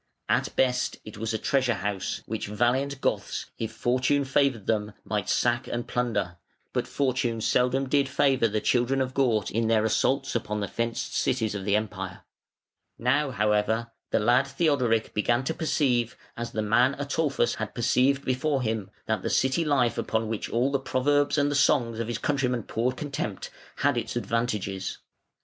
At best it was a treasure house, which valiant Goths, if Fortune favoured them, might sack and plunder: but Fortune seldom did favour the children of Gaut in their assaults upon the fenced cities of the Empire. Now, however, the lad Theodoric began to perceive, as the man Ataulfus had perceived before him, that the city life upon which all the proverbs and the songs of his countrymen poured contempt, had its advantages.